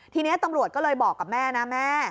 ทีนี้ตำรวจก็เลยบอกกับแม่นะแม่